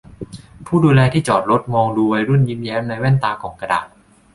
ผู้ดูแลที่จอดรถมองดูวัยรุ่นยิ้มแย้มในแว่นตากล่องกระดาษ